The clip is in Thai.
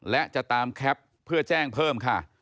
และจะตามแคปเพื่อแจ้งเพิ่มค่ะ